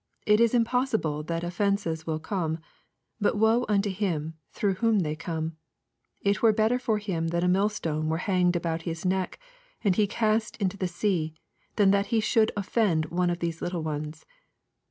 1\ is impossible bat that offences will cc ne : bat woe unto him, throagh wl ora they oome I y It were better for him that a mill stcae were hanged aboat his neck, and be oast into the sea, than that he shoald offend one of these little ones.